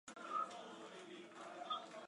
蓝图已经绘就，奋进正当时。